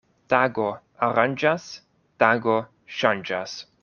Tago aranĝas, tago ŝanĝas.